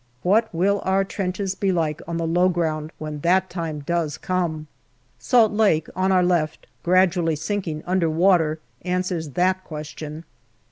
What will our trenches be like on the low ground when that time does come ? Salt Lake on our left gradually sinking under water answers that question.